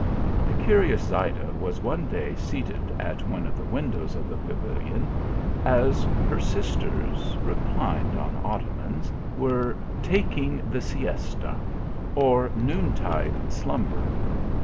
The curious Zayda was one day seated at one of the windows of the pavilion, as her sisters, reclined 1S6 THE ALHAMBRA. on ottomans, were taking the siesta, or noon tide slumber.